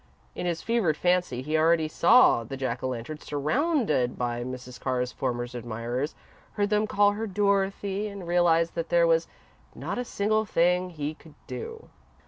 In his fevered fancy, he already saw the Jack o' Lantern surrounded by Mrs. Carr's former admirers, heard them call her "Dorothy," and realised that there was not a single thing he could do.